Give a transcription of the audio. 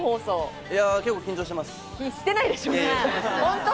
結構緊張してます。